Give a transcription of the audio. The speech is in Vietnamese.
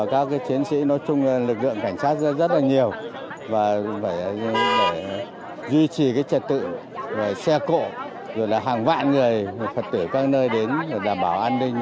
các chiến sĩ nói chung lực lượng cảnh sát rất là nhiều và phải duy trì trật tự xe cộ rồi là hàng vạn người phật tử các nơi đến để đảm bảo an ninh